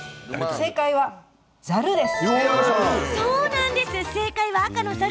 正解は、ざるです。